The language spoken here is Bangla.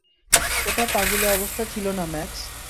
ওটা পাগুলে অবস্থা ছিল না, ম্যাক্স।